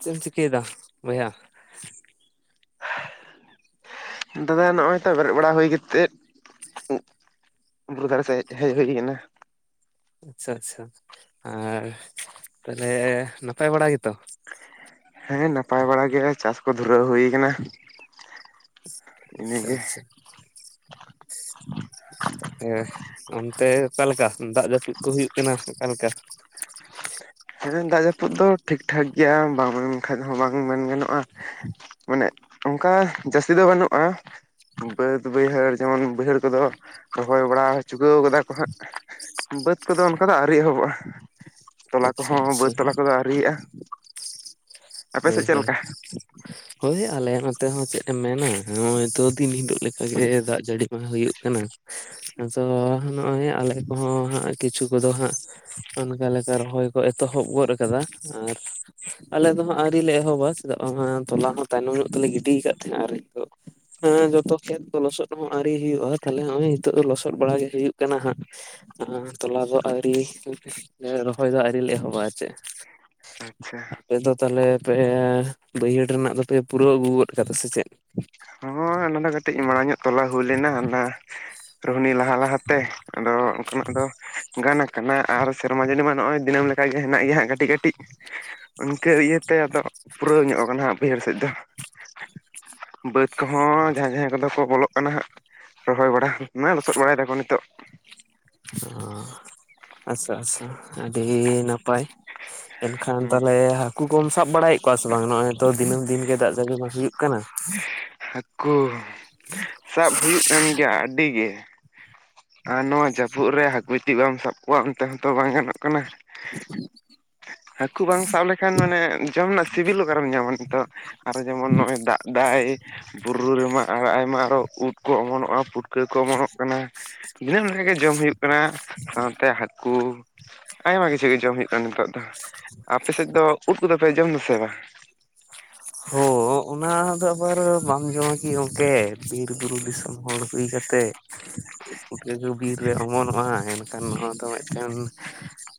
ᱪᱮᱫ ᱮᱢ ᱪᱤᱠᱟᱹᱭᱮᱫᱟ ᱵᱚᱭᱦᱟ ᱫᱟᱫᱟ ᱱᱚᱜᱼᱚᱭ ᱛᱚ ᱵᱮᱨᱮᱫ ᱵᱟᱲᱟ ᱦᱩᱭ ᱠᱟᱛᱮᱫ ᱵᱩᱨᱩ ᱫᱷᱟᱨᱮ ᱥᱮᱫ ᱦᱮᱡ ᱦᱩᱭ ᱟᱠᱟᱱᱟ ᱟᱪᱪᱷᱟ ᱟᱪᱪᱷᱟ ᱟᱨ ᱛᱟᱦᱚᱞᱮ ᱱᱟᱯᱟᱭ ᱵᱟᱲᱟ ᱜᱮᱛᱚ ᱦᱮᱸ ᱱᱟᱯᱟᱭ ᱵᱟᱲᱟ ᱜᱮ ᱪᱟᱥ ᱠᱚ ᱫᱷᱩᱨᱟᱹᱣ ᱦᱩᱭ ᱟᱠᱟᱱᱟ ᱟᱪᱪᱷᱟ ᱟᱪᱪᱷᱟ ᱦᱮᱸ ᱚᱱᱛᱮ ᱚᱠᱟᱞᱮᱠᱟ ᱫᱟᱜ ᱡᱟᱹᱯᱩᱫ ᱠᱚ ᱦᱩᱭᱩᱜ ᱠᱟᱱᱟ ᱚᱠᱟᱞᱮᱠᱟ ᱦᱮᱸ ᱫᱟᱜ ᱡᱟᱹᱯᱩᱫ ᱫᱚ ᱴᱷᱤᱠᱹ ᱴᱷᱟᱠᱹ ᱜᱮᱼᱭᱟ ᱵᱟᱝᱹ ᱢᱮᱱ ᱠᱷᱟᱱ ᱦᱚᱸ ᱵᱟᱝ ᱢᱮᱱ ᱜᱟᱱᱚᱜᱼᱟ ᱢᱟᱱᱮ ᱚᱱᱠᱟᱹ ᱡᱟᱹᱥᱛᱤ ᱫᱚ ᱵᱟᱹᱱᱩᱜᱼᱟ᱾ ᱵᱟᱹᱫ ᱵᱟᱹᱭᱦᱟᱹᱲ ᱡᱮᱹᱢᱚᱱ ᱵᱟᱹᱭᱦᱟᱹᱲ ᱠᱚᱫᱚᱹ ᱨᱚᱦᱚᱼᱭ ᱵᱟᱲᱟᱹ ᱪᱩᱠᱟᱹᱣ ᱠᱟᱫᱟ ᱠᱚ ᱦᱟᱸᱜ ᱵᱟᱹᱫᱽ ᱠᱚᱹᱫᱚ ᱚᱱᱠᱟᱹ ᱫᱚ ᱟᱹᱣᱨᱤ ᱮᱦᱚᱵᱚᱜᱼᱟ ᱟᱪᱪᱷᱟ ᱚᱼᱦᱚᱸ ᱟᱪᱪᱷᱟ ᱵᱟᱹᱫᱽ ᱛᱚᱞᱟ ᱠᱚᱹᱫᱚ ᱟᱹᱣᱤᱭᱟᱜᱼᱟ ᱦᱳᱭᱸᱦᱳᱭᱸ ᱦᱳᱭᱹ ᱟᱼᱞᱮ ᱱᱚᱛᱮ ᱦᱚᱸ ᱪᱮᱫ ᱮᱢ ᱢᱮᱱᱟ ᱱᱚᱦᱼᱚᱭ ᱛᱚ ᱫᱤᱱ ᱦᱤᱞᱳᱜᱹ ᱞᱮᱠᱟ ᱜᱮ ᱫᱟᱜ ᱡᱟᱹᱲᱤ ᱢᱟ ᱦᱩᱭᱩᱜᱼᱟ ᱠᱟᱱᱟᱹ ᱟᱫᱚ ᱱᱚᱜᱼᱚᱭ ᱟᱞᱮ ᱠᱚᱦᱚᱸ ᱦᱟᱸᱜ ᱠᱤᱹᱪᱷᱩ ᱠᱚᱫᱚ ᱦᱟᱸᱜ ᱚᱱᱠᱟ ᱞᱮᱠᱟ ᱨᱚᱦᱚᱭ ᱠᱚ ᱮᱛᱚᱦᱚᱵ ᱜᱚᱫ ᱟᱠᱟᱫᱟ ᱟᱨ ᱟᱞᱮ ᱫᱚ ᱦᱟᱸᱜ ᱟᱹᱰᱤ ᱞᱮ ᱮᱦᱚᱵᱟ ᱪᱮᱫᱟᱜ ᱵᱟᱝ ᱦᱚᱸ ᱛᱚᱞᱟ ᱦᱚᱸ ᱛᱟᱭᱱᱚᱢ ᱧᱚᱜ ᱛᱮᱞᱮ ᱜᱤᱰᱤ ᱟᱠᱟᱫ ᱛᱟᱦᱮᱼᱟ ᱟᱨ ᱱᱤᱛᱚᱜ ᱦᱮᱸ ᱡᱚᱛᱚ ᱠᱷᱮᱛ ᱠᱚ ᱞᱚᱥᱚᱫ ᱦᱚᱸ ᱟᱹᱣᱨᱤ ᱦᱩᱭᱩᱜᱼᱟ ᱛᱟᱦᱞᱮ ᱱᱚᱜᱼᱚᱭ ᱱᱤᱛᱚ ᱫᱚ ᱞᱚᱥᱚᱫ ᱵᱟᱲᱟ ᱜᱮ ᱦᱩᱭᱩᱜ ᱠᱟᱱᱟ ᱦᱟᱸᱜ ᱦᱚᱸ ᱛᱚᱞᱟ ᱫᱚ ᱟᱹᱣᱨᱤ ᱨᱚᱦᱚᱼᱭ ᱫᱚ ᱟᱹᱣᱤᱞ ᱞᱮ ᱮᱦᱚᱵᱟ ᱪᱮᱫ ᱟᱪᱪᱷᱟ ᱟᱯᱮ ᱫᱚ ᱛᱟᱦᱞᱮ ᱯᱮ ᱵᱟᱹᱭᱦᱟᱹᱲ ᱨᱮᱱᱟᱼᱜ ᱫᱚᱯᱮ ᱯᱩᱨᱟᱹᱣ ᱟᱹᱜᱩ ᱜᱚᱫ ᱠᱟᱫᱟ ᱥᱮ ᱪᱮᱫ ᱦᱳᱭ ᱚᱱᱟᱹ ᱠᱟᱹᱴᱤᱡ ᱢᱟᱲᱟᱝ ᱧᱚᱜ ᱛᱚᱞᱟ ᱦᱩᱭ ᱞᱮᱱᱟ ᱚᱱᱟᱹ ᱨᱳᱹᱦᱱᱤ ᱞᱟᱦᱟ ᱞᱟᱦᱟ ᱛᱮ ᱟᱫᱚ ᱚᱱᱠᱟᱱᱟᱜ ᱫᱚ ᱜᱟᱱ ᱟᱠᱟᱱᱟ ᱟᱨ ᱥᱮᱨᱢᱟ ᱡᱟᱹᱲᱤ ᱢᱟ ᱱᱚᱜᱼᱚᱭ ᱫᱤᱱᱟᱹᱢ ᱞᱮᱠᱟ ᱜᱮ ᱦᱮᱱᱟᱼᱜ ᱜᱮᱭᱟ ᱠᱟᱹᱴᱤᱡ ᱠᱟᱹᱴᱤᱡ ᱤᱱᱠᱟᱹ ᱤᱭᱟᱹᱛᱮ ᱟᱫᱚ ᱯᱩᱨᱟᱹᱣ ᱧᱚᱜ ᱠᱟᱱᱟ ᱦᱟᱸᱜ ᱵᱟᱹᱭᱦᱟᱹᱲ ᱥᱮᱫ ᱫᱚ᱾ ᱵᱟᱹᱫᱽ ᱠᱚᱦᱚᱸ ᱡᱟᱦᱟᱸᱭ ᱡᱟᱦᱟᱸᱭ ᱠᱚᱹᱫᱚ ᱠᱚ ᱵᱚᱞᱚᱜ ᱠᱟᱱᱟ ᱦᱟᱸᱜ ᱨᱚᱦᱚᱼᱭ ᱵᱟᱲᱟᱹ ᱢᱟ ᱞᱚᱥᱚᱫ ᱵᱟᱲᱟᱭ ᱫᱟᱠᱚ ᱱᱤᱹᱛᱚᱜ ᱚ ᱟᱪᱷᱟ ᱟᱪᱷᱟ ᱟᱹᱰᱤ ᱱᱟᱯᱟᱭ᱾ ᱮᱱ ᱠᱷᱟᱱᱹ ᱛᱟᱞᱦᱮ ᱦᱟᱹᱠᱩ ᱠᱚᱢ ᱥᱟᱵ ᱵᱟᱹᱲᱟᱭᱮᱫ ᱠᱚᱣᱟ ᱥᱮ ᱵᱟᱝ ᱱᱚᱜᱼᱚᱭ ᱛᱚ ᱫᱱᱟᱹᱢ ᱫᱤᱱᱜ ᱜᱮ ᱫᱟᱜ ᱡᱟᱹᱲᱤ ᱵᱟᱝ ᱦᱩᱭᱩᱜ ᱠᱟᱱᱟ ᱠᱩᱸ ᱥᱟᱵ ᱦᱩᱭᱩᱜᱹ ᱠᱟᱱ ᱜᱮᱼᱭᱟ ᱟᱹᱰᱤ ᱜᱮ ᱟᱨ ᱱᱚᱣᱟᱹ ᱡᱟᱹᱯᱩᱫ ᱨᱮ ᱦᱟᱹᱠᱩ ᱵᱤᱴᱤ ᱵᱟᱢ ᱥᱟᱵ ᱠᱚᱹᱣᱟ ᱚᱱᱛᱮ ᱦᱚᱸᱛᱚ ᱵᱟᱝ ᱜᱟᱱᱚᱼᱜ ᱠᱟᱱᱟ᱾ ᱦᱟᱹᱦᱟᱸ [unintelligible] ᱦᱟᱹᱠᱩ ᱵᱟᱝ ᱥᱟᱵ ᱞᱮᱹᱠᱷᱟᱱ ᱢᱟᱱᱮ ᱡᱚᱢ ᱨᱮᱹᱱᱟᱜ ᱥᱤᱹᱵᱤᱞ ᱚᱼᱠᱟᱨᱮᱢ ᱧᱟᱢᱟ ᱱᱤᱛᱚᱜ᱾ ᱟᱨᱹᱚ ᱡᱮᱹᱢᱚᱱ ᱱᱚᱼᱚᱭ ᱫᱟᱜ ᱫᱟᱭ᱾ ᱵᱩᱨᱩ ᱨᱮᱹᱢᱟ ᱟᱨᱹᱚ ᱟᱭᱢᱟ ᱟᱨᱹᱚ ᱩᱫ ᱠᱚ ᱚᱢᱚᱱᱚᱜᱼᱟ ᱯᱩᱴᱠᱟᱹ ᱠᱚ ᱚᱢᱚᱱᱚᱜ ᱠᱟᱱᱟ᱾ ᱫᱤᱱᱟᱹᱢᱚ ᱨᱮᱹᱜᱤ ᱡᱚᱢ ᱦᱩᱭᱩᱜᱹ ᱠᱟᱱᱟ ᱥᱟᱶᱛᱮ ᱦᱟᱹᱠᱩ᱾ ᱟᱭᱢᱟ ᱠᱤᱹᱪᱷᱩ ᱜᱮ ᱡᱚᱢ ᱦᱩᱭᱩᱜ ᱠᱟᱱᱟ ᱱᱤᱛᱚᱜ ᱫᱚ ᱟᱯᱮ ᱥᱮᱫ ᱫᱚ ᱩᱫ ᱠᱚᱫᱚ ᱯᱮ ᱡᱚᱢ ᱟᱥᱮ ᱵᱟᱝᱟ ᱦᱚ ᱚᱱᱟ ᱫᱚ ᱟᱵᱟᱨ ᱵᱟᱢ ᱡᱚᱢᱟ ᱠᱤ ᱜᱚᱝᱠᱮ ᱵᱤᱨ ᱵᱩᱨᱩ ᱫᱤᱥᱚᱢ ᱦᱚᱲᱹ ᱦᱩᱭ ᱠᱟᱹᱛᱮ ᱩᱴᱟᱹᱜ ᱵᱤᱨ ᱨᱮ ᱚᱢᱚᱱ ᱢᱟ ᱮᱱ ᱠᱷᱟᱱ ᱱᱚᱣᱟ ᱫᱚ ᱢᱤᱫ ᱴᱮᱱ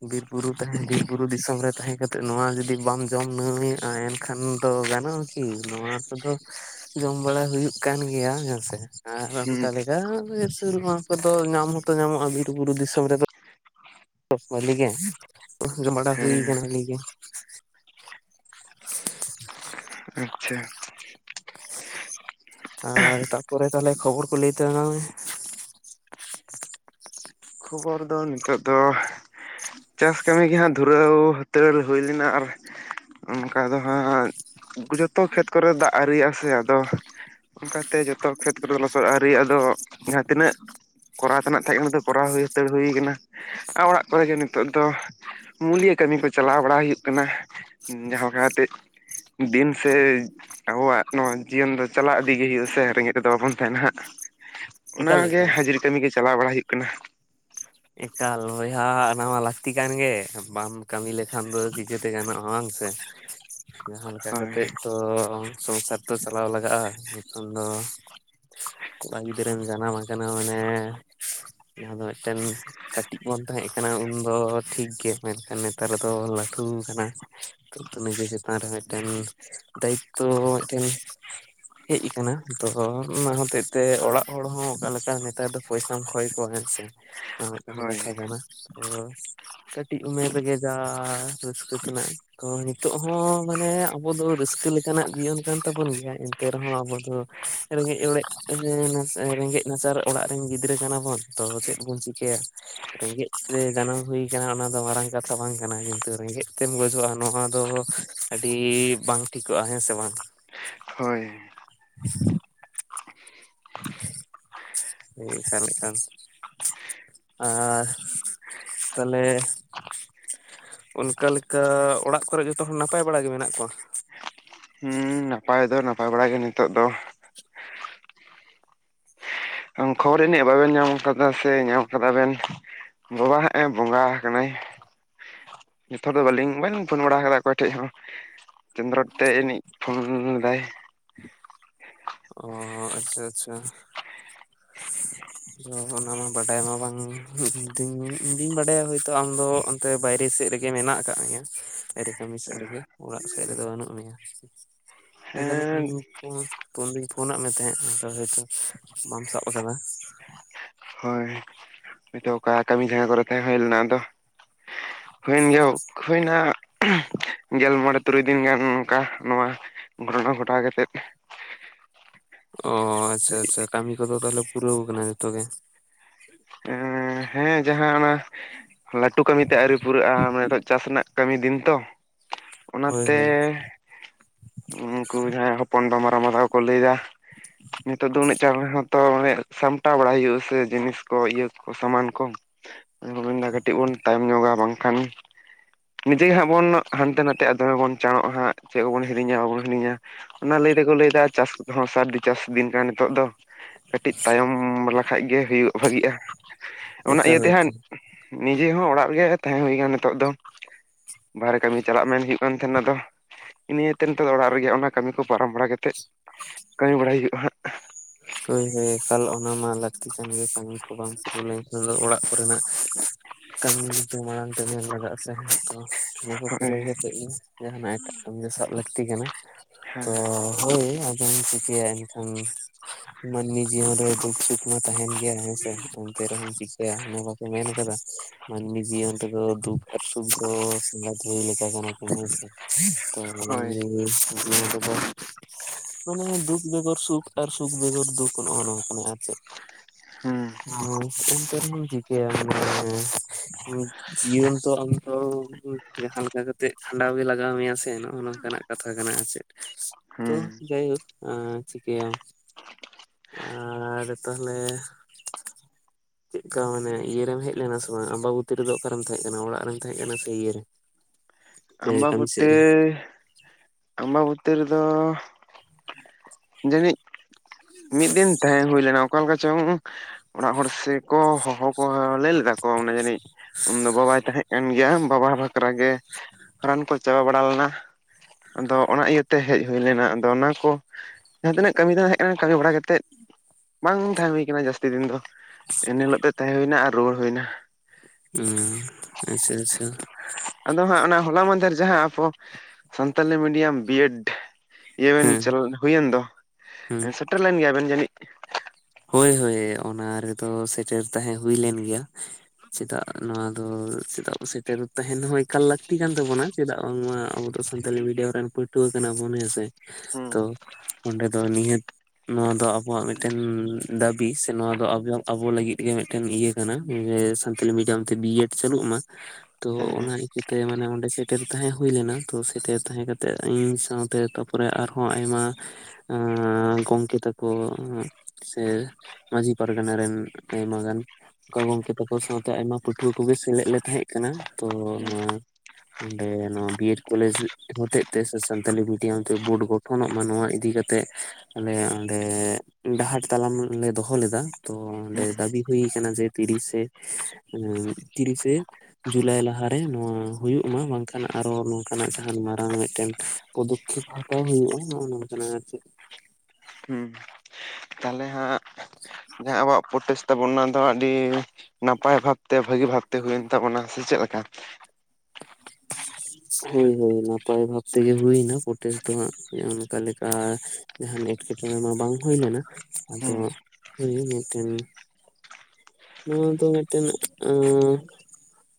ᱵᱤᱨ ᱵᱩᱨᱩ ᱛᱟᱦᱮᱸ ᱵᱤᱨ ᱵᱩᱨᱩ ᱫᱤᱥᱚᱢ ᱨᱮ ᱛᱟᱦᱮᱸ ᱠᱟᱛᱮᱫ ᱱᱚᱣᱟ ᱡᱩᱫᱤ ᱵᱟᱢ ᱡᱚᱢ ᱱᱟ. ᱢᱟ. ᱭ ᱚᱜᱼᱟ ᱮᱱᱠᱷᱟᱱ ᱫᱚ ᱜᱟᱱᱚᱜᱼᱟ ᱠᱤ ᱱᱚᱣᱟ ᱠᱚᱫᱚ ᱡᱚᱢ ᱵᱟᱹᱲᱟ ᱦᱩᱭᱩᱜ ᱠᱟᱱ ᱜᱮᱭᱟ ᱦᱮᱸᱥᱮ‌᱾ ᱟᱨ ᱚᱠᱟ ᱦᱩᱸ ᱞᱮᱠᱟᱥ ᱠᱚᱫᱚ ᱧᱟᱢ ᱦᱚᱸᱛᱚ ᱧᱟᱢᱚᱜᱼᱟ ᱵᱤᱨ ᱵᱩᱨᱩ ᱫᱤᱥᱚᱢ ᱨᱮᱫᱚ᱾ ᱵᱤᱞᱤ ᱜᱮ ᱡᱚᱢ ᱵᱟᱲᱟ ᱦᱩᱭ ᱦᱮᱸ ᱟᱠᱟᱱᱟ ᱞᱤᱜᱮ ᱟᱪᱷᱟ ᱟᱨ ᱛᱟᱯᱚ ᱨᱮ ᱛᱟᱦᱞᱮ ᱠᱷᱚᱵᱚᱨ ᱠᱚ ᱞᱟᱹᱭ ᱛᱟᱞᱟᱝ ᱢᱮ ᱠᱷᱚᱵᱚᱨ ᱫᱚ ᱱᱤᱛᱚᱜ ᱫᱚ ᱪᱟᱥ ᱠᱟᱹᱢᱤ ᱜᱮ ᱦᱟᱸᱜ ᱫᱷᱩᱨᱟᱹᱣ ᱦᱛᱟᱹᱲ ᱦᱩᱭ ᱞᱮᱱᱟ ᱟᱨ ᱚᱱᱠᱟ ᱫᱚ ᱦᱟᱸᱜ ᱡᱚᱛᱚ ᱠᱷᱮᱛ ᱠᱚᱨᱮ ᱫᱟᱜ ᱟᱹᱨᱤᱭᱟ ᱥᱮ ᱟᱫᱚ ᱚᱱᱠᱟᱛᱮ ᱡᱚᱛᱚ ᱠᱷᱮᱛ ᱠᱚᱨᱮ ᱞᱚᱥᱚᱫ ᱟᱹᱨᱤ ᱟᱼᱫᱚ ᱡᱟᱦᱟᱸ ᱛᱤᱱᱟᱹᱜ ᱠᱚᱨᱟᱣ ᱛᱮᱱᱟᱜ ᱛᱟᱦᱮᱸ ᱚᱱᱟ ᱫᱚ ᱠᱚᱨᱟᱣ ᱦᱩᱭ ᱦᱛᱟᱹᱲ ᱦᱩᱭ ᱠᱟᱱᱟ ᱟᱨ ᱚᱲᱟᱜ ᱠᱚᱨᱮ ᱜᱮ ᱱᱤᱛᱚᱜ ᱫᱚ ᱢᱩᱞᱤᱭᱟᱹ ᱠᱟᱹᱢᱤ ᱠᱚ ᱪᱟᱞᱟᱼᱣ ᱵᱟᱲᱟ ᱦᱩᱭᱩᱜ ᱠᱟᱱᱟ ᱡᱟᱦᱟᱸ ᱞᱮᱠᱟᱛᱮ ᱫᱤᱱ ᱥᱮ ᱟᱵᱚᱣᱟᱜ ᱱᱚᱣᱟ ᱡᱤᱭᱚᱱ ᱫᱚ ᱪᱟᱞᱟᱣ ᱤᱫᱤᱜᱮ ᱦᱩᱭᱩᱜᱼᱟ ᱥᱮ ᱨᱮᱸᱜᱮᱡ ᱛᱮᱫᱚ ᱵᱟᱵᱚᱱ ᱛᱟᱦᱮᱱᱟ ᱦᱟᱸᱜ ᱚᱱᱟ ᱮᱠᱟᱞ ᱜᱮ ᱮᱠᱟᱞ ᱦᱟᱹᱡᱨᱤ ᱠᱟᱹᱢᱤᱜᱮ ᱪᱟᱞᱟᱣ ᱵᱟᱲᱟ ᱦᱩᱭᱩᱜ ᱠᱟᱱᱟ ᱮᱠᱟ ᱵᱚᱭᱦᱟ ᱱᱚᱣᱟ ᱞᱟᱹᱠᱛᱤ ᱠᱟᱱ ᱜᱮ ᱵᱟᱝ ᱠᱟᱹᱢᱤ ᱞᱮᱠᱷᱟᱱ ᱫᱚ ᱪᱤᱠᱟᱹᱛᱮ ᱜᱟᱱᱚᱜᱼᱟ ᱵᱟᱝ ᱥᱮ ᱡᱟᱦᱟᱸ ᱞᱮᱠᱟ ᱦᱳᱭ ᱠᱟᱛᱮᱫ ᱛᱚ ᱥᱚᱝᱥᱟᱨ ᱫᱚ ᱪᱟᱞᱟᱣ ᱞᱟᱜᱟᱜᱼᱟ ᱡᱚᱠᱷᱚᱱ ᱫᱚ ᱠᱚᱲᱟ ᱜᱤᱫᱽᱨᱟᱹᱢ ᱡᱟᱱᱟᱢᱠᱟᱱᱟ ᱢᱟᱱᱮ ᱡᱟᱦᱟᱸ ᱫᱚ ᱢᱤᱫᱴᱮᱱ ᱠᱟᱹᱴᱤᱡ ᱵᱚᱱ ᱛᱟᱦᱮᱸ ᱠᱟᱱᱟ ᱩᱱᱫᱚ ᱴᱷᱤᱠ ᱜᱮ ᱢᱮᱱᱠᱷᱟᱱ ᱱᱮᱛᱟᱨ ᱫᱚ ᱞᱟᱹᱴᱷᱩ ᱟᱠᱟᱱᱟ᱾ [inaudible] ᱛ ᱱᱤᱡᱮ ᱪᱮᱛᱟᱱ ᱨᱮ ᱢᱤᱫᱴᱮᱱ ᱫᱟᱭᱤᱛᱛᱚ ᱢᱤᱫᱴᱮᱱ ᱦᱮᱡ ᱟᱠᱟᱱᱟ ᱛᱚ ᱚᱱᱟ ᱦᱚᱛᱮᱡ ᱛᱮ ᱚᱲᱟᱜ ᱦᱚᱲ ᱦᱚᱸ ᱚᱠᱟ ᱞᱮᱠᱟ ᱱᱮᱛᱟᱨ ᱫᱚ ᱯᱚᱭᱥᱟᱢ ᱠᱷᱚᱭ ᱠᱚᱣᱟ ᱦᱮᱸᱥ ᱢᱤᱫᱴᱮᱱ ᱦᱳᱭ ᱠᱟᱛᱷᱟ ᱠᱟᱱᱟ᱾ ᱛᱚ ᱠᱟᱹᱴᱤᱡ ᱩᱢᱮᱨ ᱨᱮᱜᱮ ᱡᱟ ᱨᱟᱹᱥᱠᱟᱹ ᱛᱮᱱᱟᱜ ᱛᱚ ᱱᱤᱛᱳᱜ ᱦᱚᱸ ᱢᱟᱱᱮ ᱟᱵᱚ ᱫᱚ ᱨᱟᱹᱥᱠᱟᱹ ᱞᱮᱠᱟᱱᱟᱜ ᱡᱤᱭᱚᱱ ᱠᱟᱱ ᱛᱟᱵᱚᱱ ᱜᱮᱭᱟ᱾ ᱮᱱᱛᱮ ᱨᱮᱦᱚᱸ ᱟᱵᱚ ᱫᱚ ᱨᱮᱸᱜᱮᱡ ᱚᱨᱮᱡ ᱨᱮᱸᱜᱮᱡ ᱱᱟᱪᱟᱨ ᱚᱲᱟᱜ ᱨᱮᱱ ᱜᱤᱫᱽᱨᱟᱹ ᱠᱟᱱᱟ ᱵᱚᱱ ᱛᱚ ᱪᱮᱫ ᱵᱚᱱ ᱪᱤᱠᱟᱹᱭᱟ᱾ ᱨᱮᱸᱜᱮᱡ ᱛᱮ ᱡᱟᱱᱟᱢ ᱦᱩᱭ ᱠᱟᱱᱟ ᱚᱱᱟ ᱫᱚ ᱢᱟᱨᱟᱝ ᱠᱟᱛᱷᱟ ᱵᱟᱝ ᱠᱟᱱᱟ ᱠᱤᱱᱛᱩ ᱨᱮᱸᱜᱮᱡ ᱛᱮᱢ ᱜᱚᱡᱚᱜᱼᱟ ᱱᱚᱣᱟ ᱫᱚ, ᱟᱹᱰᱤ ᱵᱟᱝ ᱴᱷᱤᱠᱚᱜᱼᱟ ᱦᱮᱸ ᱥᱮ ᱵᱟᱝ ᱦᱳᱭ [unintelligible] [unintelligible] ᱮᱠᱟᱞ ᱮᱠᱟᱞ ᱟᱨ ᱛᱟᱦᱞᱮ ᱚᱱᱠᱟᱞᱮᱠᱟ ᱚᱲᱟᱜ ᱠᱚᱨᱮ ᱡᱚᱛᱚ ᱦᱚᱲ ᱱᱟᱯᱟᱭ ᱵᱟᱲᱟ ᱜᱮ ᱢᱮᱱᱟᱜ ᱠᱚᱣᱟ ᱦᱩᱸ ᱱᱟᱯᱟᱭ ᱫᱚ ᱱᱟᱯᱟᱭ ᱵᱟᱲᱟ ᱜᱮ ᱱᱤᱛᱚᱜ ᱫᱚ ᱠᱷᱚᱵᱚᱨ ᱟᱹᱱᱤᱡ ᱵᱟᱵᱮᱱ ᱧᱟᱢ ᱠᱟᱫᱟ ᱥᱮ ᱧᱟᱢ ᱠᱟᱫᱟ ᱵᱮᱱ ᱵᱟᱵᱟ ᱦᱟᱸᱜ ᱮ ᱵᱚᱸᱜᱟ ᱟᱠᱟᱱᱟᱭ ᱱᱤᱛᱟᱨ ᱫᱚ ᱵᱟᱹᱞᱤᱧ ᱵᱟᱹᱞᱤᱧ ᱯᱷᱳᱱ ᱵᱟᱲᱟ ᱠᱟᱫᱟ ᱚᱠᱚᱭ ᱴᱷᱮᱡ ᱦᱚᱸ ᱪᱚᱱᱫᱨᱚᱴ ᱛᱮ ᱮᱱᱤᱡ ᱯᱷᱳᱱ ᱞᱮᱫᱟᱭ ᱚ ᱟᱪᱪᱷᱟ ᱟᱪᱪᱷᱟ ᱟᱫᱚ ᱚᱱᱟ ᱢᱟ ᱵᱟᱰᱟᱭ ᱢᱟ ᱵᱟᱝ ᱤᱧᱫᱩᱧ ᱵᱟᱰᱟᱭᱟ ᱦᱳᱭᱛᱚ ᱟᱢᱫᱚ ᱵᱟᱭᱨᱮ ᱥᱮᱫ ᱨᱮᱜᱮ ᱢᱮᱱᱟᱜ ᱟᱠᱟᱫ ᱢᱮᱭᱟ ᱵᱟᱭᱨᱮ ᱠᱟᱹᱢᱤ ᱥᱮᱫ ᱨᱮᱜᱮ ᱚᱲᱟᱜ ᱥᱮᱫ ᱨᱮᱫᱚ ᱵᱟᱹᱱᱩᱜ ᱢᱮᱭᱟ ᱦᱮᱸ [unintelligible] ᱯᱷᱳᱱᱫᱩᱧ ᱯᱷᱳᱱᱟᱫ ᱢᱮ ᱛᱟᱦᱮᱸᱫ ᱟᱫᱚ ᱦᱚᱭᱛᱚ ᱵᱟᱢ ᱥᱟᱵ ᱟᱠᱟᱫᱟ ᱦᱳᱭ ᱢᱤᱫᱴᱮᱡ ᱚᱠᱟ ᱠᱟᱹᱢᱤ ᱡᱟᱦᱟᱜᱟ ᱠᱚᱨᱮ ᱛᱟᱦᱮᱸ ᱦᱩᱭ ᱞᱮᱱᱟ ᱟᱫᱚ ᱦᱩᱭᱮᱱ ᱜᱮᱭᱟ ᱦᱩᱭᱱᱟ ᱜᱮᱞ ᱢᱚᱬᱮ ᱛᱩᱨᱩᱭ ᱫᱤᱱ ᱜᱟᱱ ᱱᱚᱝᱠᱟ ᱱᱚᱣᱟ ᱜᱷᱚᱴᱚᱱᱟ ᱜᱷᱚᱴᱟᱣ ᱠᱟᱛᱮᱫ ᱚ ᱟᱪᱪᱷᱟ ᱟᱪᱪᱷᱟ ᱠᱟᱹᱢᱤ ᱠᱚᱫᱚ ᱛᱟᱦᱚᱞᱮ ᱯᱩᱨᱟᱹᱣ ᱠᱟᱱᱟ ᱡᱚᱛᱚ ᱜᱮ ᱦᱮᱸ ᱡᱟᱦᱟᱸ ᱚᱱᱟ ᱞᱟᱹᱴᱩ ᱠᱟᱹᱢᱤᱛᱮ ᱟᱹᱣᱨᱤ ᱯᱩᱨᱟᱹᱜᱼᱟ ᱢᱟᱱᱮ ᱱᱤᱛᱚᱜ ᱪᱟᱥ ᱨᱮᱱᱟᱜ ᱠᱟᱹᱢᱤ ᱫᱤᱱ ᱛᱚ ᱦᱳᱭ ᱚᱱᱟᱛᱮ ᱦᱳᱭ ᱩᱱᱠᱩ ᱡᱟᱦᱟᱸᱭ ᱦᱚᱯᱚᱱᱵᱟ ᱢᱟᱨᱟᱝᱵᱟ ᱛᱟᱠᱚ ᱠᱚ ᱞᱟᱹᱭᱫᱟ ᱱᱤᱛᱚᱜ ᱫᱚ ᱩᱱᱟᱹᱜ ᱪᱟᱬ ᱨᱮ ᱦᱚᱸᱛᱚ ᱢᱮ ᱥᱟᱢᱴᱟᱣ ᱵᱟᱲᱟᱭ ᱦᱩᱭᱩᱜ ᱟᱥᱮ ᱡᱤᱱᱤᱥ ᱠᱚ ᱤᱭᱟᱹ ᱠᱚ ᱥᱟᱢᱟᱱ ᱠᱚ ᱚᱱᱟ ᱠᱚ ᱢᱮᱱᱫᱟ ᱠᱟᱹᱴᱤᱡ ᱵᱚᱱ ᱛᱟᱭᱚᱢ ᱧᱚᱜᱟ ᱵᱟᱝᱠᱷᱟᱱ ᱱᱤᱡᱮ ᱜᱮ ᱦᱟᱸᱜ ᱵᱚᱱ ᱦᱟᱱᱛᱮ ᱱᱟᱛᱮ ᱟ ᱫᱚᱢᱮ ᱵᱚᱱ ᱪᱟᱬᱚᱜᱼᱟ ᱦᱟᱸᱜ ᱪᱮᱫ ᱠᱚᱵᱚᱱ ᱦᱤᱲᱤᱧᱟ ᱵᱟᱵᱚᱱ ᱦᱤᱲᱤᱧᱟ ᱚᱱᱟ ᱞᱟᱹᱭ ᱛᱮᱠᱚ ᱞᱟᱹᱭᱫᱟ ᱪᱟᱥ ᱠᱚᱦᱚ ᱥᱟᱹᱨᱫᱤ ᱪᱟᱥ ᱫᱤᱱ ᱠᱟᱱᱟ ᱱᱤᱛᱚᱜ ᱫᱚ ᱠᱟᱹᱴᱤᱡ ᱛᱟᱭᱚᱢ ᱞᱮᱠᱷᱟᱡ ᱜᱮ ᱦᱩᱭᱩᱜ ᱵᱷᱟᱹᱜᱤᱜᱼᱟ ᱚᱱᱟ ᱮᱠᱟᱞ ᱤᱭᱟᱹᱛᱮ ᱦᱟᱸᱜ ᱮᱠᱟᱞ ᱱᱤᱡᱮ ᱦᱚᱸ ᱚᱲᱟᱜ ᱨᱮᱜᱮ ᱛᱟᱦᱮᱸ ᱦᱩᱭ ᱠᱟᱱᱟ ᱱᱤᱛᱚᱜ ᱫᱚ ᱵᱟᱦᱨᱮ ᱠᱟᱹᱢᱤ ᱪᱟᱞᱟᱜ ᱢᱮᱱ ᱦᱳᱭᱳᱜ ᱠᱟᱱ ᱛᱟᱦᱮᱸᱱᱟ ᱟᱫᱚ ᱱᱤᱭᱟᱹᱛᱮ ᱱᱤᱛᱚᱜ ᱫᱚ ᱚᱲᱟᱜ ᱨᱮᱜᱮ ᱚᱱᱟ ᱠᱟᱹᱢᱤ ᱠᱚ ᱯᱟᱨᱚᱢ ᱵᱟᱲᱟ ᱠᱟᱛᱮᱫ ᱠᱟᱹᱢᱤ ᱵᱟᱲᱟᱭ ᱦᱩᱭᱩᱜᱼᱟ ᱦᱟᱸᱜ ᱦᱳᱭ ᱦᱳᱭ ᱮᱠᱟᱞ ᱚᱱᱟ ᱢᱟ ᱞᱟᱹᱠᱛᱤ ᱠᱟᱱ ᱜᱮ ᱠᱟᱹᱢᱤ ᱠᱚ ᱵᱟᱝ ᱯᱩᱨᱟᱹᱣ ᱞᱮᱱᱠᱷᱟᱱ ᱫᱚ ᱚᱲᱟᱜ ᱠᱚᱨᱮᱱᱟᱜ ᱠᱟᱹᱢᱤ ᱫᱚ ᱢᱟᱲᱟᱝ ᱛᱮᱜᱮ ᱞᱟᱜᱟᱜ ᱚᱱᱟ ᱠᱚ ᱦᱳᱭ ᱯᱩᱨᱟᱹᱣ ᱠᱟᱛᱮ ᱜᱮ ᱡᱟᱦᱟᱱᱟᱜ ᱮᱴᱟᱜ ᱠᱟᱹᱢᱤ ᱨᱮ ᱥᱟᱵ ᱞᱟᱹᱠᱛᱤ ᱠᱟᱱᱟ ᱛᱚ ᱦᱮᱸ ᱦᱳᱭ ᱟᱫᱚᱢ ᱪᱤᱠᱟᱹᱭᱟ ᱮᱱᱠᱷᱟᱱ ᱢᱟᱹᱱᱢᱤ ᱡᱤᱭᱚᱱ ᱨᱮ ᱫᱩᱠ ᱥᱩᱠᱷ ᱢᱟ ᱛᱟᱦᱮᱱ ᱜᱮᱭᱟ ᱦᱮᱸᱥᱮ ᱮᱱᱛᱮ ᱨᱮᱦᱚᱸ ᱪᱤᱠᱟᱹᱭ ᱟᱢ ᱚᱱᱮ ᱵᱟᱠᱚ ᱢᱮᱱ ᱠᱟᱫᱟ ᱢᱟᱹᱱᱢᱤ ᱡᱤᱭᱚᱱ ᱨᱮᱫᱚ ᱫᱩᱠᱷ ᱟᱨ ᱥᱩᱠ ᱫᱚ [unintelligible] ᱜᱮ ᱛᱟᱦᱮᱱᱟ ᱞᱮᱠᱟ ᱠᱟᱱᱟ ᱠᱤᱱ ᱦᱮᱸ ᱥᱮ ᱛᱚ ᱢᱟᱹᱱᱢᱤ ᱦᱳᱭ ᱡᱤᱭᱚᱱ ᱨᱮᱫᱚ ᱢᱟᱱᱮ ᱫᱩᱠ ᱵᱮᱜᱚᱨ ᱥᱩᱠ ᱟᱨ ᱥᱩᱠ ᱵᱮᱜᱚᱨ ᱫᱩᱠ ᱱᱚᱜᱼᱚ ᱱᱚᱝᱠᱟᱱ-ᱟ ᱟᱨ ᱪᱮᱫ᱾ ᱦᱩᱸ ᱦᱚᱭ ᱮᱱᱛᱮ ᱨᱮᱦᱚᱢ ᱪᱤᱠᱟᱹᱭᱟ ᱞᱟᱹᱭ ᱢᱮ ᱡᱤᱭᱚᱱ ᱛᱚ ᱟᱢ ᱛᱚ ᱡᱟᱦᱟᱸ ᱞᱮᱠᱟ ᱠᱟᱛᱮᱜ ᱠᱷᱟᱸᱰᱟᱣ ᱜᱮ ᱞᱟᱜᱟᱣ ᱢᱮᱭᱟ ᱥᱮ ᱱᱚᱜᱼᱚᱭ ᱱᱚᱝᱠᱟᱱᱟᱜ ᱠᱟᱛᱷᱟ ᱠᱟᱱᱟ ᱟᱨ ᱪᱮᱫ ᱛᱚ ᱦᱩᱸ ᱡᱟᱭᱦᱳᱠ ᱪᱤᱠᱟᱹᱭᱟᱢ ᱟᱨ ᱛᱟᱦᱞᱮ ᱚᱱᱠᱟ ᱢᱟᱱᱮ ᱤᱭᱟ ᱨᱮᱢ ᱦᱮᱡ ᱞᱮᱱᱟ ᱥᱮ ᱵᱟᱝ ᱟᱢᱵᱟᱵᱚᱛᱤ ᱨᱮᱫᱚ ᱚᱠᱟᱨᱮᱢ ᱛᱟᱦᱮᱸ ᱠᱟᱱᱟ ᱚᱲᱟᱜ ᱨᱮᱢ ᱛᱟᱦᱮᱸ ᱠᱟᱱᱟ ᱥᱮ ᱤᱭᱟ ᱨᱮ? [inaudible] ᱟᱢᱵᱟᱵᱚᱛᱤ ᱟᱢᱵᱟᱵᱚᱛᱤ ᱨᱮ ᱫᱚ ᱡᱟᱹᱱᱤᱡ ᱢᱤᱫ ᱫᱤᱱ ᱛᱟᱦᱮᱸ ᱦᱩᱭᱞᱱᱟ ᱚᱠᱟ ᱞᱮᱠᱟ ᱪᱚᱝ ᱚᱲᱟᱜ ᱦᱚᱲ ᱥᱮᱠᱚ ᱦᱚᱦᱚ ᱠᱚ ᱞᱟᱹᱭ ᱞᱮᱫᱟ ᱚᱱᱟ ᱡᱟᱹᱱᱤᱡ ᱩᱱᱫᱚ ᱵᱟᱵᱟᱭ ᱛᱟᱦᱮᱸ ᱠᱟᱱ ᱜᱮᱭᱟ ᱵᱟᱵᱟ ᱵᱟᱠᱷᱨᱟ ᱜᱮ ᱨᱟᱱ ᱠᱚ ᱪᱟᱵᱟ ᱵᱟᱲᱟ ᱞᱮᱱᱟ᱾ ᱟᱫᱚ ᱚᱱᱟ ᱤᱭᱟᱹᱛᱮ ᱦᱮᱡ ᱦᱩᱭ ᱞᱮᱱᱟ ᱟᱫᱚ ᱚᱱᱟ ᱠᱚ ᱡᱟᱦᱟᱸ ᱛᱤᱱᱟᱹᱜ ᱠᱟᱹᱢᱤ ᱛᱟᱦᱮᱜ ᱠᱟᱹᱢᱤ ᱵᱟᱲᱟ ᱠᱟᱛᱮᱫ ᱵᱟᱝ ᱛᱟᱦᱮᱸ ᱦᱩᱭ ᱠᱟᱱᱟ ᱡᱟᱹᱥᱛᱤ ᱫᱤᱱ ᱫᱚ ᱮᱱ ᱦᱤᱞᱳᱜ ᱛᱮ ᱛᱟᱦᱮᱸ ᱦᱩᱭᱱᱟ ᱟᱨ ᱨᱩᱣᱟᱹᱲ ᱦᱩᱭ ᱮᱱᱟ᱾ ᱟᱪᱪᱷᱟ ᱟᱪᱪᱷᱟ ᱟᱫᱚ ᱦᱟᱸᱜ ᱚᱱᱟ ᱦᱚᱞᱟ ᱢᱫᱷᱮᱨ ᱡᱟᱦᱟᱸ ᱟᱵᱚ ᱥᱟᱱᱛᱟᱞᱤ ᱢᱤᱰᱤᱭᱟᱢ ᱵᱤᱭᱮᱰ ᱤᱭᱟᱹ ᱵᱮᱱ ᱦᱮᱸ ᱦᱩᱭᱮᱱ ᱫᱚ ᱦᱮᱸ ᱥᱮᱴᱮᱨ ᱞᱮᱱ ᱜᱮᱭᱟᱵᱮᱱ ᱡᱟᱹᱱᱤᱡ? ᱦᱳᱭ ᱦᱳᱭ ᱚᱱᱟ ᱨᱮᱫᱚ ᱥᱮᱴᱮᱨ ᱛᱟᱦᱮ ᱦᱩᱭ ᱞᱮᱱ ᱜᱮᱭᱟ᱾ ᱪᱮᱫᱟᱜ ᱱᱚᱣᱟ ᱫᱚ ᱪᱮᱫᱟᱜ ᱥᱮᱴᱮᱨ ᱛᱟᱦᱮᱱ ᱦᱚᱸ ᱮᱠᱟᱞ ᱞᱟᱹᱠᱛᱤ ᱠᱟᱱ ᱛᱟᱵᱚᱱᱟ᱾ ᱪᱮᱫᱟᱜ ᱵᱟᱝᱢᱟ ᱟᱵᱚ ᱫᱚ ᱥᱟᱱᱛᱟᱞᱤ ᱢᱤᱰᱤᱭᱟᱢ ᱨᱮᱱ ᱯᱟᱹᱴᱷᱩᱣᱟᱹ ᱠᱟᱱᱟ ᱵᱚᱱ ᱦᱮᱸᱥᱮ᱾ ᱛᱚ ᱦᱩᱸ ᱚᱸᱰᱮ ᱫᱚ ᱱᱤᱦᱟᱹᱛ ᱱᱚᱣᱟ ᱫᱚ ᱟᱵᱚᱣᱟᱜ ᱢᱤᱫᱴᱮᱱ ᱫᱟᱹᱵᱤ ᱥᱮ ᱱᱚᱣᱟ ᱫᱚ ᱟᱵᱚ ᱞᱟᱹᱜᱤᱫ ᱜᱮ ᱢᱤᱫᱴᱮᱱ ᱤᱭᱟᱹ ᱠᱟᱱᱟ ᱡ ᱥᱟᱱᱛᱟᱞᱤ ᱢᱤᱰᱤᱭᱟᱢ ᱛᱮ ᱵᱤ ᱮ ᱰ᱾ ᱪᱟᱹᱞᱩᱜ ᱢᱟ᱾ ᱛᱚ ᱦᱮᱸ ᱦᱮᱸ ᱚᱱᱟ ᱤᱭᱟᱹᱛᱮ ᱢᱟᱱᱮ ᱚᱸᱰᱮ ᱥᱮᱴᱮᱨ ᱛᱟᱦᱮᱸ ᱦᱩᱭᱞᱱᱟ ᱛᱚ ᱥᱮᱴᱮᱨ ᱛᱟᱦᱮᱸ ᱠᱟᱛᱮᱜ ᱤᱧ ᱥᱟᱶᱛᱮ ᱛᱟᱨᱯᱚᱨᱮ ᱟᱨᱦᱚᱸ ᱟᱭᱢᱟ ᱜᱚᱝᱠᱮ ᱛᱟᱠᱚ ᱥᱮ ᱢᱟᱺᱡᱷᱤ ᱯᱟᱨᱜᱟᱱᱟ ᱨᱮᱱ ᱟᱭᱢᱟ ᱜᱟᱱ ᱚᱱᱠᱟ ᱜᱚᱝᱠᱮ ᱛᱟᱠᱚ ᱥᱟᱶᱛᱮ ᱟᱭᱢᱟ ᱯᱟᱹᱴᱷᱩᱣᱟᱹ ᱠᱚᱜᱮ ᱥᱮᱞᱮᱫ ᱞᱮ ᱛᱟᱦᱮᱸ ᱠᱟᱱᱟ ᱛᱚ ᱱᱚᱶᱟ ᱚᱸᱰᱮ ᱱᱚᱣᱟ ᱵᱤ ᱮ ᱰ ᱠᱚᱞᱮᱡᱽ ᱦᱚᱛᱮᱡ ᱛᱮ ᱥᱟᱱᱛᱟᱞᱤ ᱢᱤᱰᱤᱭᱟᱢ ᱛᱮ ᱵᱳᱰ ᱜᱚᱴ ᱯᱷᱳᱱᱚᱜ ᱢᱟ ᱱᱚᱣᱟ ᱤᱫᱤ ᱠᱟᱛᱮ ᱟᱞᱮ ᱚᱸᱰᱮ ᱰᱟᱦᱟᱨ ᱛᱟᱞᱟᱢ ᱞᱮ ᱫᱚᱦᱚ ᱞᱮᱫᱟ ᱛᱚ ᱚᱸᱰᱮ ᱦᱩᱸ ᱫᱟᱹᱵᱤ ᱦᱩᱭ ᱟᱠᱟᱱᱟ ᱡᱮ ᱛᱤᱨᱤᱥᱮ ᱛᱤᱨᱤᱥᱮ ᱡᱩᱞᱟᱭ ᱞᱟᱦᱟᱨᱮ ᱱᱚᱣᱟ ᱦᱩᱭᱩᱜ ᱢᱟ ᱵᱟᱝᱠᱷᱟᱱ ᱟᱨᱚ ᱱᱚᱝᱠᱟᱱᱟᱜ ᱡᱟᱦᱟᱱ ᱢᱟᱨᱟᱝ ᱢᱤᱫᱴᱮᱱ ᱯᱚᱫᱚᱠᱷᱮᱯ ᱦᱟᱛᱟᱣ ᱦᱩᱭᱩᱜᱼᱟ ᱱᱚᱜᱼᱱᱚᱝ ᱠᱟᱱᱟ ᱟᱨ ᱪᱮᱫ ᱦᱩᱸ ᱛᱟᱦᱚᱞᱮ ᱦᱟᱸᱜ ᱡᱟᱦᱟᱸ ᱟᱵᱚᱣᱟᱜ ᱯᱨᱚᱛᱮᱥ ᱛᱟᱵᱚ ᱚᱱᱟ ᱫᱚ ᱟᱹᱰᱤ ᱱᱟᱯᱟᱭ ᱵᱷᱟᱵᱽᱛᱮ ᱵᱷᱟᱹᱜᱤ ᱵᱷᱟᱵᱛᱮ ᱦᱩᱭᱮᱱ ᱛᱟᱵᱚᱱᱟ ᱥᱮ ᱪᱮᱫ ᱞᱮᱠᱟ? [inaudible] ᱦᱳᱭ ᱦᱳᱭ ᱱᱟᱯᱟᱭ ᱵᱷᱟᱵ ᱛᱮᱜᱮ ᱦᱩᱭᱱᱟ ᱯᱨᱴᱮᱥ ᱫᱚ ᱦᱜ ᱚᱱᱠᱟ ᱞᱮᱠᱟ ᱡᱟᱦᱟᱱ ᱮᱴᱠᱮᱴᱚᱬᱮ ᱢᱟ ᱵᱟᱝ ᱦᱩᱭ ᱞᱮᱱᱟ ᱟᱫᱚ ᱦᱳ ᱦᱩᱸ ᱢᱤᱫᱴᱮᱱ ᱱᱚᱣᱟ ᱫᱚ ᱢᱤᱫᱴᱟᱹᱱᱟ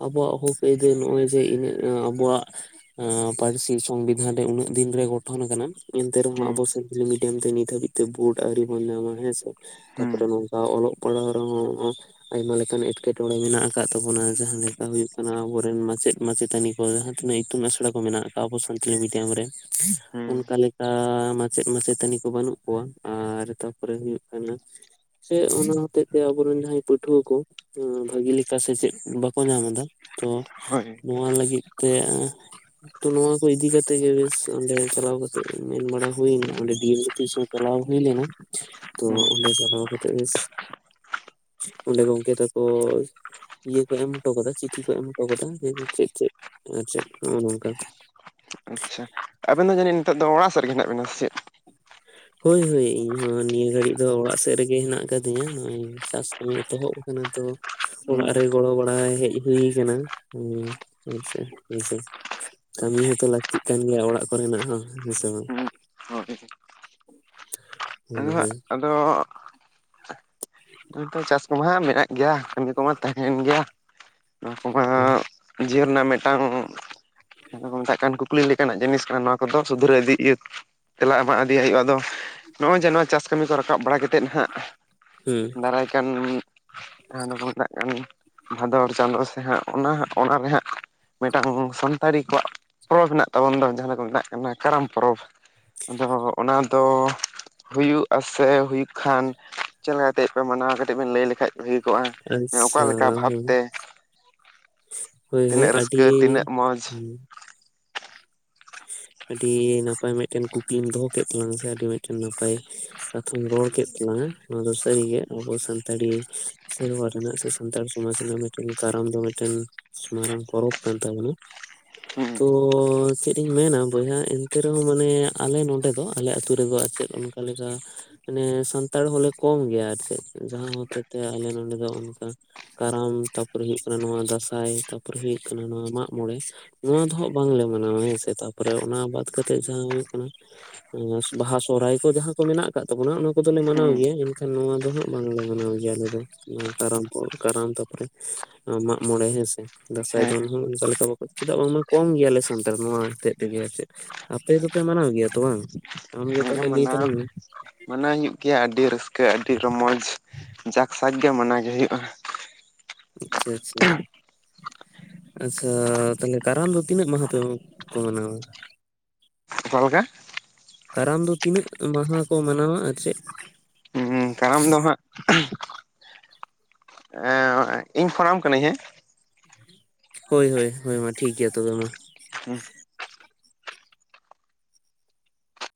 ᱟᱵᱚᱣᱟᱜ ᱦᱚᱠ ᱟᱹᱭᱫᱟᱹᱨ ᱱᱚᱜᱼᱚᱭ ᱡᱮ ᱤᱱᱟᱜ ᱟᱵᱚᱣᱟᱜ ᱯᱟᱹᱨᱥᱤ ᱥᱚᱝᱵᱤᱫᱷᱟᱱ ᱨᱮ ᱩᱱᱟᱹᱜ ᱫᱤᱱ ᱨᱮ ᱜᱚᱴᱚᱱ ᱟᱠᱟᱱᱟ ᱮᱱᱛᱮ ᱨᱮᱦᱚᱸ ᱟᱵᱚ ᱦᱩᱸ ᱥᱟᱱᱛᱟᱞᱤ ᱢᱤᱰᱤᱭᱟᱢ ᱛᱮ ᱱᱤᱛ ᱦᱟᱹᱵᱤᱡ ᱵᱩᱰ ᱟᱣᱨᱤ ᱵᱚᱱ ᱧᱟᱢᱟ ᱦᱮᱸᱥᱮ ᱛᱟᱯᱚᱨᱮ ᱦᱩᱸ ᱱᱚᱝᱠᱟ ᱚᱞᱚᱜ ᱯᱟᱲᱦᱟᱣ ᱨᱮᱦᱚᱸ ᱟᱭᱢᱟ ᱞᱮᱠᱟᱱ ᱮᱸᱴᱠᱮᱴᱚᱬᱮ ᱢᱮᱱᱟᱜ ᱟᱠᱟᱫ ᱛᱟᱵᱚᱱᱟ ᱡᱟᱦᱟᱸ ᱞᱮᱠᱟ ᱦᱩᱭᱩᱜ ᱠᱟᱱᱟ ᱟᱵᱚᱨᱮᱱ ᱢᱟᱪᱮᱫ ᱢᱟᱪᱮᱛᱟᱱᱤ ᱡᱟᱦᱟᱸ ᱛᱤᱱᱟᱹᱜ ᱤᱛᱩᱱ ᱟᱥᱲᱟ [unintelligible] ᱠᱚ ᱢᱮᱱᱟᱜ ᱟᱠᱟᱫ-ᱟ ᱟᱵᱚ ᱥᱟᱱᱛᱟᱞᱤ ᱢᱤᱰᱤᱭᱟᱢ ᱨᱮ ᱦᱩᱸ ᱚᱱᱠᱟ ᱞᱮᱠᱟ ᱢᱟᱪᱮᱫ ᱢᱟᱪᱮᱛᱟᱹᱱᱤ ᱠᱚ ᱵᱟᱹᱱᱩᱜ ᱠᱚᱣᱟ ᱟᱨ ᱛᱟᱨᱯᱚᱨᱮ ᱦᱩᱭᱩᱜ ᱠᱟᱱᱟ ᱥᱮ ᱚᱱᱟ ᱦᱚᱛᱮᱡ ᱛᱮ ᱟᱵᱚᱨᱮᱱ ᱡᱟᱦᱟᱸᱭ ᱯᱟᱹᱴᱷᱩᱣᱟᱹ ᱠᱚ ᱵᱷᱟᱹᱜᱤ ᱞᱮᱠᱟ ᱥᱮ ᱪᱮᱫ ᱵᱟᱠᱚ ᱧᱟᱢ ᱮᱫᱟ ᱛᱚ ᱦᱳᱭ ᱱᱚᱣᱟ ᱞᱟᱹᱜᱤᱫ ᱛᱮ ᱛᱚ ᱱᱚᱶᱟ ᱠᱚ ᱤᱫᱤᱠᱟ ᱠᱟᱛᱮᱜ ᱵᱮᱥ ᱚᱸᱰᱮ ᱪᱟᱞᱟᱣ ᱠᱟᱛᱮᱜ ᱢᱮᱱ ᱵᱟᱲᱟ ᱦᱩᱭᱮᱱᱟ ᱚᱸᱰᱮ ᱰᱤ ᱮᱢ ᱚᱯᱷᱤᱥ ᱪᱟᱞᱟᱣ ᱦᱩᱭ ᱞᱮᱱᱟ ᱛᱚ ᱦᱩᱸ ᱚᱸᱰᱮ ᱪᱟᱞᱟᱣ ᱠᱟᱛᱮᱜ ᱚᱸᱰᱮ ᱜᱚᱝᱠᱮ ᱛᱟᱠᱚ ᱤᱭᱟᱹ ᱠᱚ ᱮᱢ ᱦᱚᱴᱚ ᱠᱟᱫᱟ ᱪᱤᱴᱷᱤ ᱠᱚ ᱮᱢ ᱦᱚᱴᱚ ᱠᱟᱫᱟᱮ ᱪᱮᱫ ᱪᱮᱫ ᱟᱨ ᱪᱮᱫ ᱱᱚᱜᱚ ᱱᱚᱝᱠᱟ ᱟᱪᱪᱷᱟ ᱟᱵᱮᱱ ᱫᱚ ᱡᱟᱹᱱᱤᱡ ᱱᱤᱛᱚᱜ ᱫᱚ ᱚᱲᱟᱜᱮᱫ ᱨᱮᱜᱮᱱᱟᱜ ᱵᱮᱱᱟ ᱪᱮᱫ ᱦᱳᱭ ᱦᱳᱭ ᱤᱧᱦᱚ ᱱᱤᱭᱟᱹ ᱜᱷᱟᱹᱲᱤᱡ ᱫᱚ ᱚᱲᱟᱜ ᱥᱮᱫ ᱨᱮᱜᱮ ᱦᱮᱱᱟᱜ ᱟᱠᱟᱫᱤᱧᱟ ᱱᱚᱜᱚᱭ ᱪᱟᱥ ᱮᱛᱚᱦᱚᱵ ᱟᱠᱟᱱᱟ ᱛᱚ ᱚᱲᱟᱜ ᱦᱩᱸ ᱨᱮ ᱜᱚᱲᱚ ᱵᱟᱲᱟ ᱦᱮᱡ ᱦᱩᱭᱩ ᱟᱠᱟᱱᱟ ᱦ ᱦᱮᱸᱥ ᱦᱮᱸᱥ ᱠᱟᱹᱢᱤ ᱦᱚᱸᱛᱚ ᱞᱟᱹᱠᱛᱤᱜ ᱠᱟᱱ ᱜᱮᱭᱟ ᱚᱲᱟᱜ ᱠᱚᱨᱮᱱᱟᱜ ᱦᱚᱸ ᱦᱮᱸᱥᱮ ᱵᱟᱝ ᱦᱳ ᱦᱩᱸ ᱦᱩᱸ ᱟᱫᱚ ᱱᱚ ᱪᱟᱥ ᱠᱚᱢᱟ ᱢᱮᱱᱟᱜ ᱜᱮᱭᱟ ᱠᱟᱹᱢᱤ ᱠᱚᱢᱟ ᱛᱟᱦᱮᱱ ᱜᱮᱭᱟ ᱱᱚᱣᱟ ᱠᱚᱢᱟ ᱦᱮᱸ ᱡᱤᱭᱚᱱ ᱨᱮᱱᱟᱜ ᱢᱤᱫᱴᱟᱝ ᱠᱚ ᱢᱮᱛᱟᱜ ᱠᱟᱱ ᱠᱚ ᱠᱩᱠᱞᱤ ᱞᱮᱠᱟᱱᱟᱜ ᱡᱤᱱᱤᱥ ᱠᱟᱱᱟ ᱱᱚᱣᱟ ᱠᱚᱫᱚ ᱥᱩᱫᱷᱨᱟᱹ ᱤᱫᱤ ᱤᱭᱟᱹ ᱛᱮᱞᱟ ᱮᱢᱟᱜ ᱤᱫᱤᱭᱟᱜ ᱦᱩᱭᱩᱜᱼᱟ ᱟᱫᱚ ᱱᱚᱜᱼᱚᱭ ᱡᱮ ᱱᱚᱣᱟ ᱪᱟᱥ ᱠᱟᱹᱢᱤ ᱠᱚ ᱨᱟᱠᱟᱵ ᱵᱟᱲᱟ ᱠᱟᱛᱮᱫ ᱱᱟᱦᱟᱜ ᱦᱮᱸ [unintelligible] ᱠᱟᱱ ᱦᱚᱠᱚ ᱢᱮᱛᱟᱜ ᱠᱟᱱ ᱵᱷᱟᱫᱚᱨ ᱪᱟᱸᱫᱳ ᱥᱮ ᱦᱟᱸᱜ ᱚᱱᱟ ᱚᱱᱟᱨᱮ ᱦᱟᱸᱜ ᱢᱤᱫᱴᱟᱝ ᱥᱟᱱᱛᱟᱲᱤ ᱠᱚᱣᱟᱜ ᱯᱚᱨᱚᱵᱽ ᱢᱮᱱᱟᱜ ᱛᱟᱵᱚᱱ ᱫᱚ ᱡᱟᱦᱟᱸ ᱫᱚ ᱠᱚ ᱢᱮᱛᱟᱜ ᱠᱟᱱᱟ ᱠᱟᱨᱟᱢ ᱯᱚᱨᱚᱵᱽ ᱟᱫᱚ ᱚᱱᱟ ᱫᱚ ᱦᱩᱭᱩᱜᱟ ᱥᱮ ᱦᱩᱭᱩᱜ ᱠᱷᱟᱱ ᱪᱮᱫ ᱞᱮᱠᱟ ᱠᱟᱛᱮᱫ ᱯᱮ ᱢᱟᱱᱟᱣᱟ ᱠᱟᱹᱴᱤᱡ ᱵᱮᱱ ᱞᱟᱹᱭ ᱞᱮᱠᱷᱟᱡ ᱦᱩᱭ ᱠᱚᱜᱼᱟ ᱮ ᱚᱠᱟ ᱟᱪᱪᱷᱟ ᱞᱮᱠᱟ ᱵᱷᱟᱵᱛᱮ ᱦᱳᱭ ᱦᱳᱭ ᱦᱳᱭ ᱟᱹᱰᱤ ᱨᱟᱹᱥᱠᱟᱹ ᱛᱤᱱᱟᱹᱜ ᱢᱚᱡᱽ ᱦᱩ [unintelligible] ᱟᱹᱰᱤ ᱱᱟᱯᱟᱭ ᱢᱤᱫᱴᱮᱱ ᱠᱩᱠᱞᱤᱢ ᱫᱚᱦᱚ ᱠᱮᱫ ᱛᱟᱞᱟᱝᱟ ᱥᱮ ᱟᱹᱰᱤ ᱢᱤᱫᱴᱮᱱ ᱱᱟᱯᱟᱭ ᱠᱟᱛᱷᱟᱢ ᱨᱚᱲ ᱠᱮᱫ ᱛᱟᱞᱟᱝᱟ ᱱᱚᱣᱟ ᱫᱚ ᱥᱟᱹᱨᱤᱜᱮ ᱟᱵᱚ ᱥᱟᱱᱛᱟᱲᱤ ᱥᱮᱨᱣᱟ ᱨᱮᱱᱟᱜ ᱥᱮ ᱥᱟᱱᱛᱟᱲ ᱥᱚᱢᱟᱡᱽ ᱨᱮᱱᱟᱜ ᱢᱤᱫᱴᱮᱱ ᱠᱟᱨᱚᱱ ᱫᱚ ᱢᱤᱫᱴᱮᱱ ᱢᱟᱨᱟᱝ ᱯᱚᱨᱚᱵ ᱠᱟᱱ ᱛᱟᱵᱚᱱᱟ ᱦᱩᱸ ᱛᱚ ᱪᱮᱫ ᱤᱧ ᱢᱮᱱᱟ ᱵᱚᱭᱦᱟ ᱮᱱᱛᱮ ᱨᱮᱦᱚᱸ ᱢᱟᱱᱮ ᱟᱞᱮ ᱱᱚᱰᱮ ᱫᱚ ᱟᱞᱮ ᱟᱹᱛᱩ ᱨᱮᱫᱚ ᱟᱨ ᱪᱮᱫ ᱚᱱᱠᱟ ᱞᱮᱠᱟ ᱢᱟᱱᱮ ᱥᱟᱱᱛᱟᱲ ᱦᱚᱞᱮ ᱠᱚᱢ ᱜᱮᱭᱟ ᱟᱨ ᱪᱮᱫ ᱡᱟᱦᱟᱸ ᱦᱚᱛᱮ ᱛᱮ ᱟᱞᱮ ᱱᱚᱰᱮ ᱫᱚ ᱚᱱᱠᱟ ᱠᱟᱨᱟᱢ ᱛᱟᱯᱚᱨᱮ ᱦᱩᱭᱩᱜ ᱠᱟᱱᱟ ᱱᱚᱣᱟ ᱫᱟᱸᱥᱟᱭ ᱛᱟᱯᱚᱨᱮ ᱦᱩᱭᱩᱜ ᱠᱟᱱᱟ ᱱᱚᱣᱟ ᱢᱟᱜ ᱢᱚᱬᱮ ᱱᱚᱣᱟ ᱫᱚ ᱦᱟᱸᱜ ᱵᱟᱝᱞᱮ ᱢᱟᱱᱟᱣᱟ ᱦᱮᱸᱥᱮ ᱛᱟᱨᱯᱚᱨᱮ ᱚᱱᱟ ᱵᱟᱫ ᱠᱟᱛᱮᱜ ᱡᱟᱦᱟᱸ ᱦᱩᱭᱩᱜ ᱠᱟᱱᱟ ᱵᱟᱦᱟ ᱥᱚᱦᱨᱟᱭ ᱠᱚ ᱡᱟᱦᱟᱸ ᱠᱚ ᱢᱮᱱᱟᱜ ᱟᱠᱟᱫ ᱛᱟᱵᱚᱱᱟ ᱚᱱᱟ ᱠᱚᱫᱚᱞᱮ ᱦᱩᱸ ᱢᱟᱱᱟᱣ ᱜᱮᱭᱟ ᱮᱱᱠᱷᱟᱱ ᱱᱚᱣᱟ ᱫᱚ ᱦᱟᱸᱜ ᱵᱟᱝᱞᱮ ᱢᱟᱱᱟᱣ ᱜᱮᱭᱟ ᱟᱞᱮ ᱫᱚ ᱠᱟᱨᱟᱢ ᱠᱟᱨᱟᱢ ᱛᱟᱨᱯᱚᱨᱮ ᱢᱟᱜ ᱢᱚᱬᱮ ᱦᱮᱸᱥᱮ ᱫᱟᱸᱥᱟᱭ ᱦᱮᱸ ᱫᱚᱱ ᱦᱚᱸ ᱚᱱᱠᱟ ᱞᱮᱠᱟ ᱪᱮᱫᱟᱜ ᱵᱟᱝ ᱢᱟ ᱠᱚᱢ ᱜᱮᱭᱟᱞᱮ ᱥᱟᱱᱛᱟᱲ ᱠᱚᱢᱟ ᱦᱚᱛᱮᱫ ᱛᱮᱜᱮ ᱟᱨ ᱪᱮᱫ ᱟᱯᱮ ᱫᱚᱯᱮ ᱢᱟᱱᱟᱣ ᱜᱮᱭᱟ ᱛᱚ ᱵᱟᱝ ᱟᱢᱜᱮ ᱦᱮᱸ ᱛᱟᱦᱚᱞᱮ ᱞᱟᱹᱭ ᱢᱟᱱᱟᱣ ᱛᱟᱞᱟᱝ ᱢᱮ ᱢᱟᱱᱟᱣ ᱦᱩᱭᱩᱜ ᱜᱮᱭᱟ ᱟᱹᱰᱤ ᱨᱟᱹᱥᱠᱟᱹ ᱟᱹᱰᱤ ᱨᱚᱢᱚᱡᱽ ᱡᱟᱠ ᱥᱟᱠ ᱜᱮ ᱢᱟᱱᱟᱣ ᱜᱮ ᱦᱩᱭᱩᱜᱼᱟ ᱟᱪᱪᱷᱟ ᱟᱪᱪᱷᱟ ᱟᱪᱪᱷᱟ ᱛᱟᱦᱞᱮ ᱠᱟᱨᱟᱢ ᱫᱚ ᱛᱤᱱᱟᱹᱜ ᱢᱟᱦᱟ ᱯᱮ ᱠᱚ ᱢᱟᱱᱟᱣᱟ ᱚᱠᱟᱞ ᱞᱮᱠᱟ ᱠᱟᱨᱟᱢ ᱫᱚ ᱛᱤᱱᱟᱹᱜ ᱢᱟᱦᱟ ᱠᱚ ᱢᱟᱱᱟᱣᱟ ᱟᱨ ᱪᱮᱫ ᱠᱟᱨᱟᱢ ᱫᱚ ᱦᱟᱸᱜ ᱤᱧ ᱯᱷᱳᱱᱟᱢ ᱠᱟᱹᱱᱟᱹᱧ ᱦᱮᱸ ᱦᱳᱭ ᱦᱳᱭ ᱦᱳᱭ ᱢᱟ ᱴᱷᱤᱠ ᱜᱮᱭᱟ ᱛᱚᱵᱮ ᱢᱟ